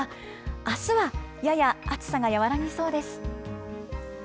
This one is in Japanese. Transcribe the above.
あすはやや暑さが和らぎそうです。